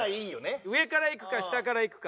上からいくか下からいくか。